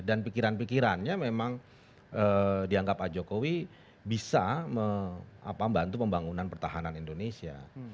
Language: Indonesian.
dan pikiran pikirannya memang dianggap pak jokowi bisa membantu pembangunan pertahanan indonesia